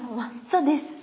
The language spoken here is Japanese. そうです。